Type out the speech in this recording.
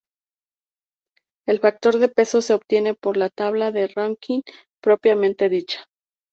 El factor de peso se obtiene por la tabla de ranking propiamente dicha.